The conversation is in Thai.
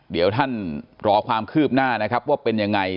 เดี๋ยวท่านรอความคืบหน้านะครับว่าเป็นยังไง